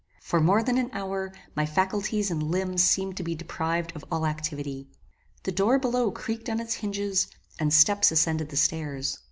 For more than an hour, my faculties and limbs seemed to be deprived of all activity. The door below creaked on its hinges, and steps ascended the stairs.